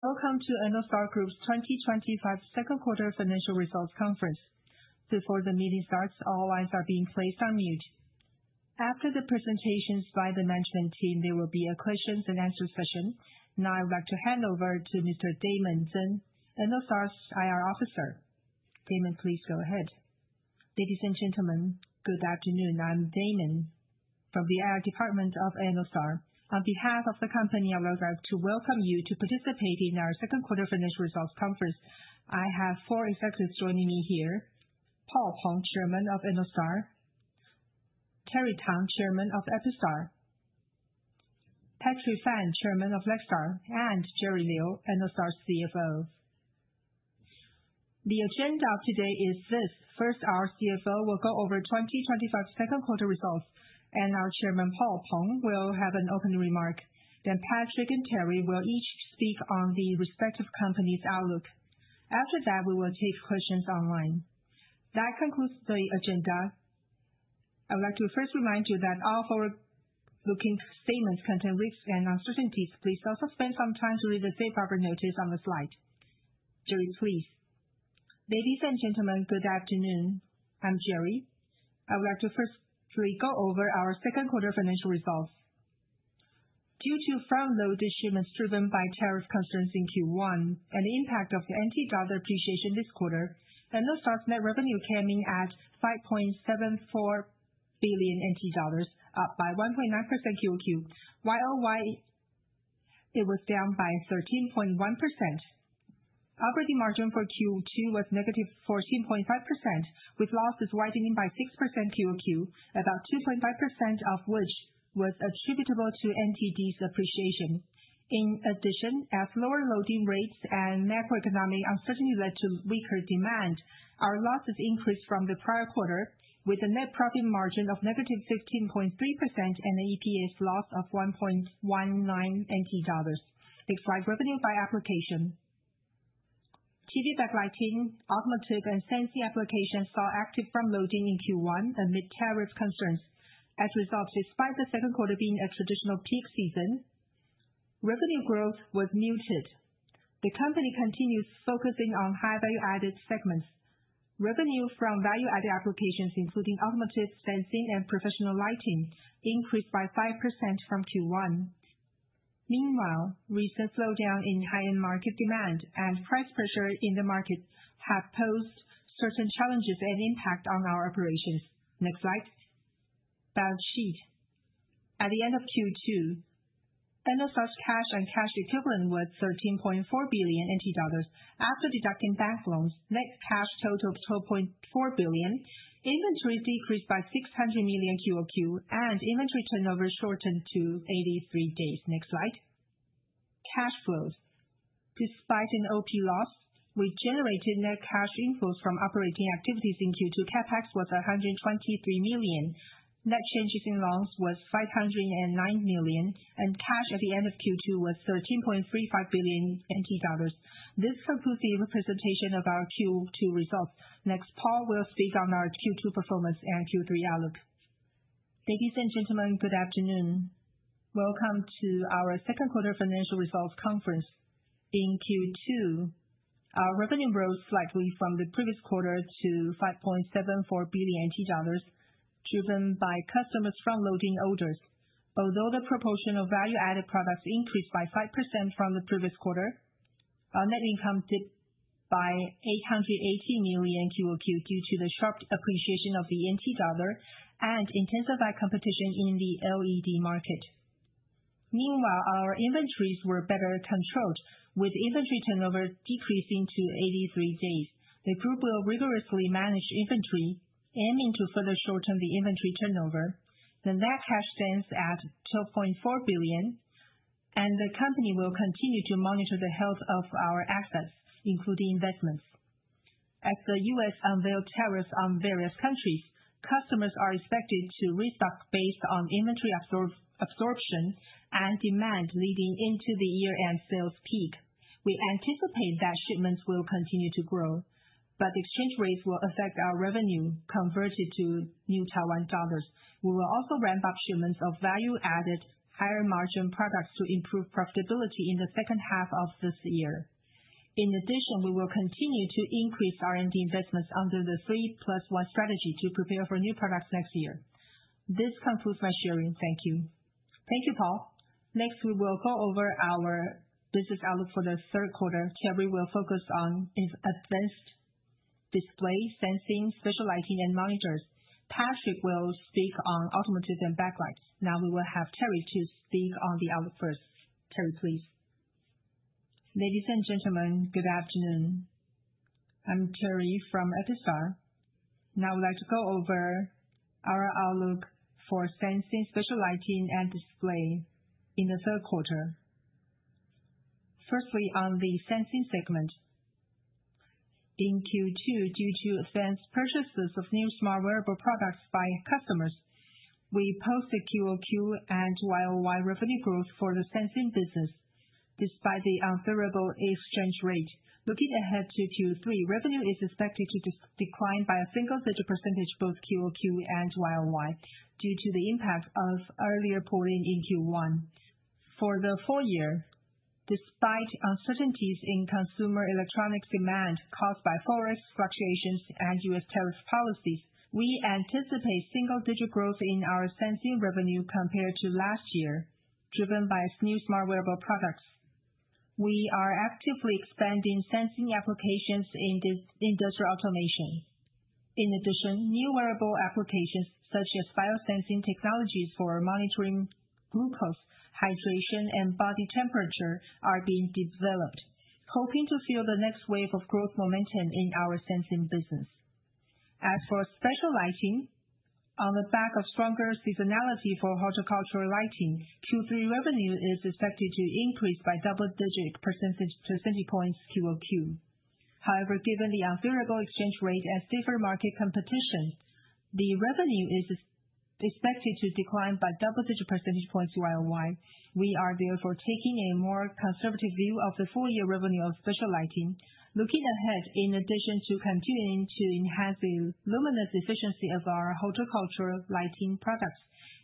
Welcome to Ennostar Group's 2025 Second Quarter Financial Results Conference. Before the meeting starts, all lines are being placed on mute. After the presentations by the management team, there will be a questions and answers session, and I would like to hand over to Mr. Damon Chen, Ennostar's IR Officer. Damon, please go ahead. Ladies and gentlemen, good afternoon. I'm Damon from the IR Department of Ennostar. On behalf of the company, I would like to welcome you to participate in our Second Quarter Financial Results Conference. I have four executives joining me here: Paul Peng, Chairman of Ennostar; Terry Tang, Chairman of Epistar; Patrick Fan, Chairman of Lextar; and Jerry Liu, Ennostar's CFO. The agenda of today is this: first, our CFO will go over 2025 Second Quarter results, and our Chairman Paul Peng will have an open remark. Then Patrick and Terry will each speak on the respective company's outlook. After that, we will take questions online. That concludes the agenda. I would like to first remind you that all forward-looking statements contain risks and uncertainties. Please also spend some time to read the safe harbor notice on the slide. Jerry, please. Ladies and gentlemen, good afternoon. I'm Jerry. I would like to firstly go over our Second Quarter Financial Results. Due to front-loading disruptions driven by tariff concerns in Q1 and the impact of the NT dollar appreciation this quarter, Ennostar's net revenue came in at $5.74 billion, up by 1.9% QOQ, while it was down by 13.1%. Operating margin for Q2 was negative 14.5%, with losses widening by 6% QOQ, about 2.5% of which was attributable to NTD's appreciation. In addition, as lower loading rates and macroeconomic uncertainty led to weaker demand, our losses increased from the prior quarter, with a net profit margin of negative 15.3% and an EPS loss of 1.19 dollars. Next slide. Revenue by application. TV, backlighting, automotive, and sensing applications saw active front-loading in Q1 amid tariff concerns. As a result, despite the second quarter being a traditional peak season, revenue growth was muted. The company continues focusing on high-value-added segments. Revenue from value-added applications, including automotive, sensing, and professional lighting, increased by 5% from Q1. Meanwhile, recent slowdown in high-end market demand and price pressure in the market have posed certain challenges and impact on our operations. Next slide. Balance sheet. At the end of Q2, Ennostar's cash and cash equivalent was 13.4 billion NT dollars after deducting bank loans. Net cash total was 12.4 billion. Inventory decreased by 600 million QOQ, and inventory turnover shortened to 83 days. Next slide. Cash flows. Despite an OP loss, we generated net cash inflows from operating activities in Q2. CapEx was $123 million. Net changes in loans was $509 million, and cash at the end of Q2 was $13.35 billion. This concludes the presentation of our Q2 results. Next, Paul will speak on our Q2 performance and Q3 outlook. Ladies and gentlemen, good afternoon. Welcome to our Second Quarter Financial Results Conference. In Q2, our revenue rose slightly from the previous quarter to $5.74 billion, driven by customers' front-loading orders. Although the proportion of value-added products increased by 5% from the previous quarter, our net income dipped by $818 million QOQ due to the sharp appreciation of the NT dollar and intensified competition in the LED market. Meanwhile, our inventories were better controlled, with inventory turnover decreasing to 83 days. The group will rigorously manage inventory, aiming to further shorten the inventory turnover. The net cash stands at 12.4 billion, and the company will continue to monitor the health of our assets, including investments. As the U.S. unveiled tariffs on various countries, customers are expected to restock based on inventory absorption and demand leading into the year-end sales peak. We anticipate that shipments will continue to grow, but exchange rates will affect our revenue converted to New Taiwan dollars. We will also ramp up shipments of value-added, higher-margin products to improve profitability in the second half of this year. In addition, we will continue to increase R&D investments under the 3+1 strategy to prepare for new products next year. This concludes my sharing. Thank you. Thank you, Paul. Next, we will go over our business outlook for the third quarter. Terry will focus on advanced displays, sensing, special lighting, and monitors. Patrick will speak on automotive and backlights. Now we will have Terry to speak on the outlook first. Terry, please. Ladies and gentlemen, good afternoon. I'm Terry from Epistar. Now I would like to go over our outlook for sensing, special lighting, and display in the third quarter. Firstly, on the sensing segment. In Q2, due to advanced purchases of new smart wearable products by customers, we posted QOQ and YOY revenue growth for the sensing business, despite the unfavorable exchange rate. Looking ahead to Q3, revenue is expected to decline by a single-digit %, both QOQ and YOY, due to the impact of earlier pull-in in Q1. For the full year, despite uncertainties in consumer electronics demand caused by forex fluctuations and U.S. tariff policies, we anticipate single-digit growth in our sensing revenue compared to last year, driven by new smart wearable products. We are actively expanding sensing applications in industrial automation. In addition, new wearable applications such as biosensing technologies for monitoring glucose, hydration, and body temperature are being developed, hoping to fuel the next wave of growth momentum in our sensing business. As for special lighting, on the back of stronger seasonality for horticultural lighting, Q3 revenue is expected to increase by double-digit percentage points QOQ. However, given the unfavorable exchange rate and stiffer market competition, the revenue is expected to decline by double-digit percentage points YOY. We are therefore taking a more conservative view of the full-year revenue of special lighting. Looking ahead, in addition to continuing to enhance the luminous efficiency of our horticultural lighting products,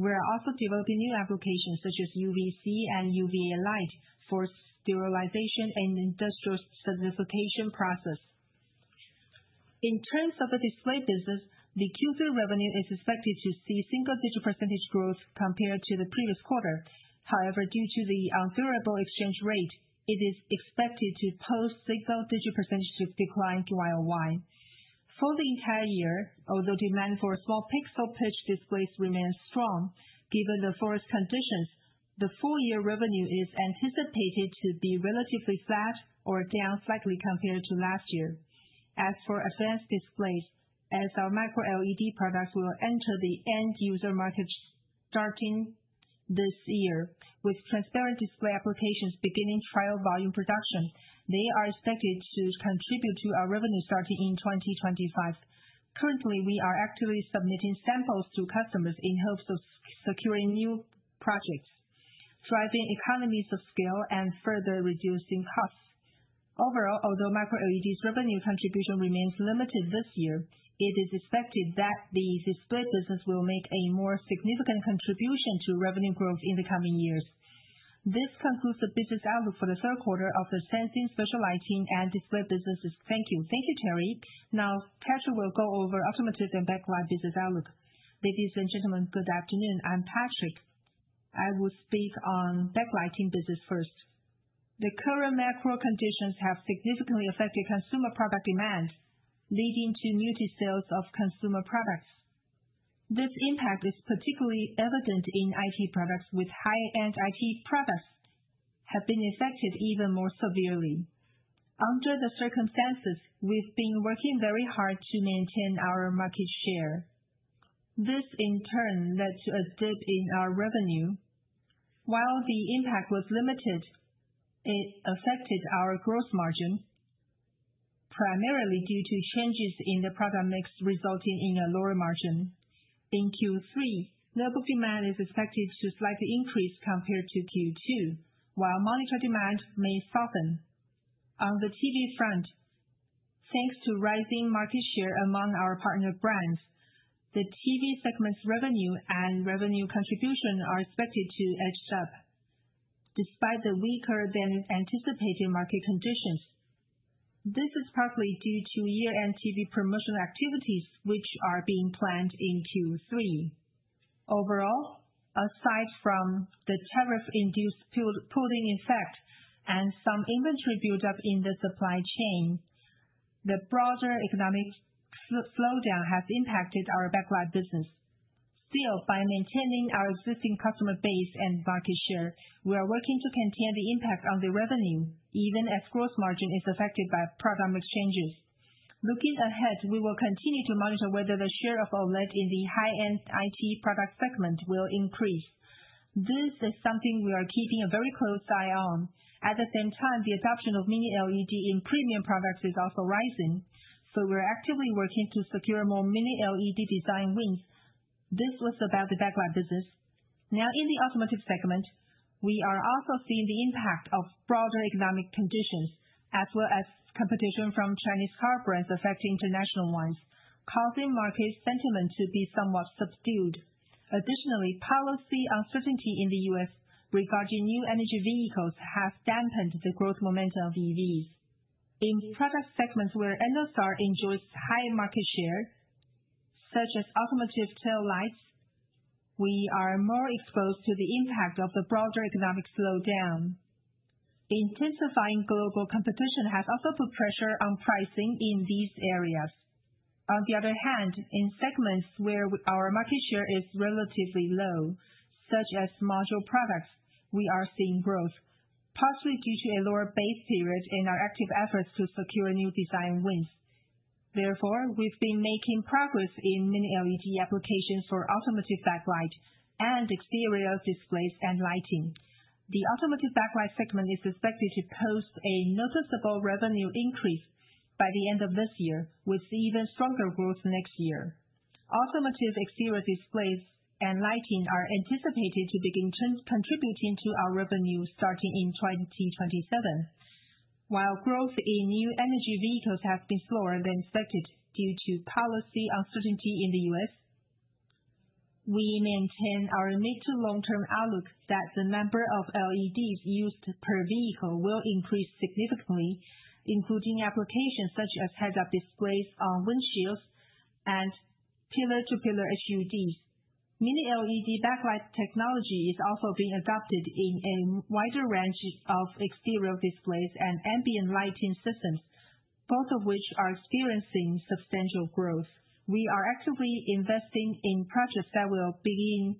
we are also developing new applications such as UV-C and UV-A light for sterilization and industrial curing process. In terms of the display business, the Q3 revenue is expected to see single-digit % growth compared to the previous quarter. However, due to the unfavorable exchange rate, it is expected to post single-digit % decline to YOY. For the entire year, although demand for small pixel-pitch displays remains strong, given the macro conditions, the full-year revenue is anticipated to be relatively flat or down slightly compared to last year. As for advanced displays, as our Micro-LED products will enter the end-user market starting this year, with transparent display applications beginning trial volume production, they are expected to contribute to our revenue starting in 2025. Currently, we are actively submitting samples to customers in hopes of securing new projects, driving economies of scale, and further reducing costs. Overall, although Micro-LED's revenue contribution remains limited this year, it is expected that the display business will make a more significant contribution to revenue growth in the coming years. This concludes the business outlook for the third quarter of the sensing, special lighting, and display businesses. Thank you. Thank you, Terry. Now, Patrick will go over automotive and backlight business outlook. Ladies and gentlemen, good afternoon. I'm Patrick. I will speak on backlighting business first. The current macro conditions have significantly affected consumer product demand, leading to muted sales of consumer products. This impact is particularly evident in IT products, with high-end IT products having been affected even more severely. Under the circumstances, we've been working very hard to maintain our market share. This, in turn, led to a dip in our revenue. While the impact was limited, it affected our gross margin, primarily due to changes in the product mix, resulting in a lower margin. In Q3, notebook demand is expected to slightly increase compared to Q2, while monitor demand may soften. On the TV front, thanks to rising market share among our partner brands, the TV segment's revenue and revenue contribution are expected to edge up, despite the weaker-than-anticipated market conditions. This is partly due to year-end TV promotional activities, which are being planned in Q3. Overall, aside from the tariff-induced pull-in effect and some inventory buildup in the supply chain, the broader economic slowdown has impacted our backlight business. Still, by maintaining our existing customer base and market share, we are working to contain the impact on the revenue, even as gross margin is affected by product mix changes. Looking ahead, we will continue to monitor whether the share of OLED in the high-end IT product segment will increase. This is something we are keeping a very close eye on. At the same time, the adoption of Mini-LED in premium products is also rising, so we're actively working to secure more Mini-LED design wins. This was about the backlight business. Now, in the automotive segment, we are also seeing the impact of broader economic conditions, as well as competition from Chinese car brands affecting international ones, causing market sentiment to be somewhat subdued. Additionally, policy uncertainty in the U.S. regarding new energy vehicles has dampened the growth momentum of EVs. In product segments where Ennostar enjoys high market share, such as automotive tail lights, we are more exposed to the impact of the broader economic slowdown. Intensifying global competition has also put pressure on pricing in these areas. On the other hand, in segments where our market share is relatively low, such as module products, we are seeing growth, partly due to a lower base period in our active efforts to secure new design wins. Therefore, we've been making progress in Mini-LED applications for automotive backlight and exterior displays and lighting. The automotive backlight segment is expected to post a noticeable revenue increase by the end of this year, with even stronger growth next year. Automotive exterior displays and lighting are anticipated to begin contributing to our revenue starting in 2027. While growth in new energy vehicles has been slower than expected due to policy uncertainty in the U.S., we maintain our mid- to long-term outlook that the number of LEDs used per vehicle will increase significantly, including applications such as head-up displays on windshields and pillar-to-pillar HUDs. Mini-LED backlight technology is also being adopted in a wider range of exterior displays and ambient lighting systems, both of which are experiencing substantial growth. We are actively investing in projects that will begin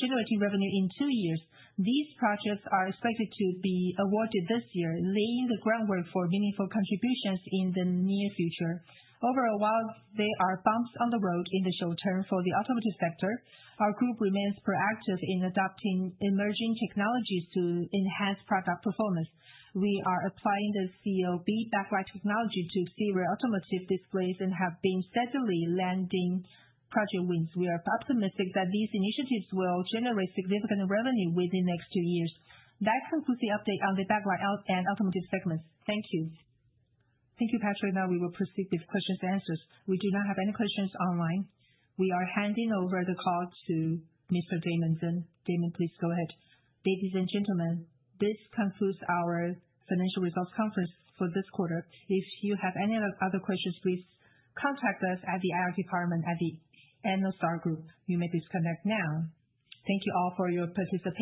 generating revenue in two years. These projects are expected to be awarded this year, laying the groundwork for meaningful contributions in the near future. Overall, while there are bumps on the road in the short term for the automotive sector, our group remains proactive in adopting emerging technologies to enhance product performance. We are applying the COB backlight technology to exterior automotive displays and have been steadily landing project wins. We are optimistic that these initiatives will generate significant revenue within the next two years. That concludes the update on the backlight and automotive segments. Thank you. Thank you, Patrick. Now we will proceed with questions and answers. We do not have any questions online. We are handing over the call to Mr. Damon Chen. Damon, please go ahead. Ladies and gentlemen, this concludes our Financial Results Conference for this quarter. If you have any other questions, please contact us at the IR department at the Ennostar Group. You may disconnect now. Thank you all for your participation.